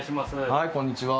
はいこんにちは。